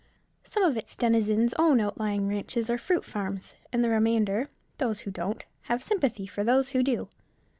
Some of its denizens own outlying ranches or fruit farms, and the remainder, those who don't, have sympathy for those who do.